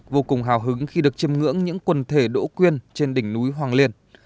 vô cùng hào hứng khi được chiêm ngưỡng những quần thể đỗ quyên trên đỉnh núi hoàng liên